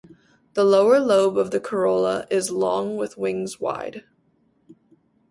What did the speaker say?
The lower lobe of the corolla is long with wings wide.